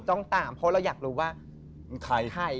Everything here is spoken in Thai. ต้องตามเพราะเราอยากรู้ว่าใครใคร